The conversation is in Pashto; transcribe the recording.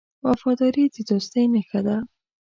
وفاداري د دوستۍ نښه ده.